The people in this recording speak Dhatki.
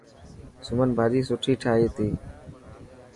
سمن ڀاڄي سٺي ٺاهي تي.